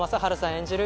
演じる